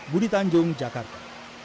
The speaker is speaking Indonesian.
budi tanjung jakarta